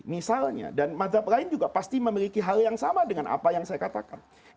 misalnya dan madhab lain juga pasti memiliki hal yang sama dengan apa yang saya katakan